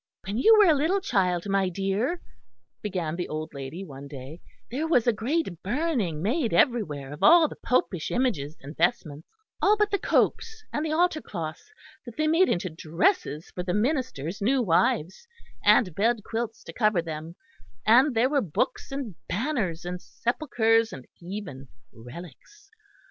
"When you were a little child, my dear," began the old lady one day, "there was a great burning made everywhere of all the popish images and vestments; all but the copes and the altar cloths that they made into dresses for the ministers' new wives, and bed quilts to cover them; and there were books and banners and sepulchres and even relics.